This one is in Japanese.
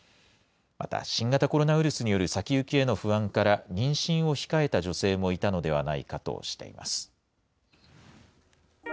また新型コロナウイルスによる先行きへの不安から、妊娠を控えた女性もいたのではないかとしています。